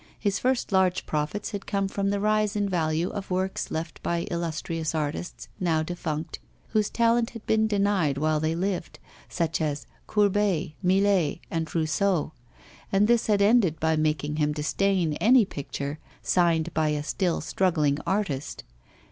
His first large profits had come from the rise in value of works left by illustrious artists, now defunct, whose talent had been denied while they lived, such as Courbet, Millet, and Rousseau; and this had ended by making him disdain any picture signed by a still struggling artist.